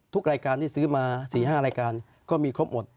ทุกรายการที่ซื้อมา๔๕รายการก็มีครบหมด